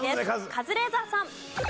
カズレーザーさん。